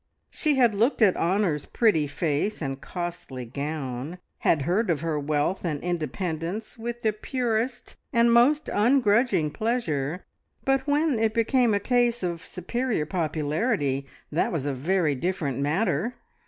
She had looked at Honor's pretty face and costly gown, had heard of her wealth and independence with the purest and most ungrudging pleasure, but when it became a case of superior popularity, that was a very different matter!